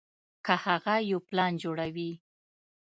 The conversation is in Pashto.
کۀ هغه يو پلان جوړوي